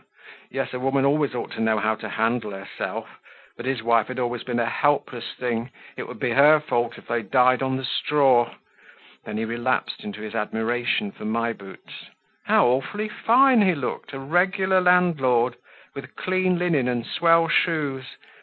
Yes, a woman always ought to know how to handle herself, but his wife had always been a helpless thing. It would be her fault if they died on the straw. Then he relapsed into his admiration for My Boots. How awfully fine he looked! A regular landlord; with clean linen and swell shoes!